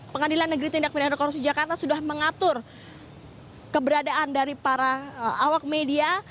pengadilan negeri tindak pindahan korupsi jakarta sudah mengatur keberadaan dari para awak media